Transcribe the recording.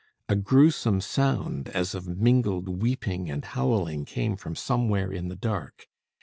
A gruesome sound as of mingled weeping and howling came from somewhere in the dark.